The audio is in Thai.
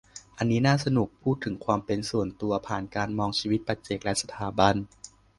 อันนี้น่าสนุก พูดถึงความเป็นส่วนตัว ผ่านการมองชีวิตปัจเจกและสถาบัน